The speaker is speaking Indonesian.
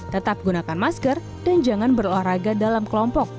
tetap gunakan masker dan jangan berolahraga dalam kelompok